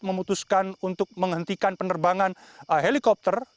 memutuskan untuk menghentikan penerbangan helikopter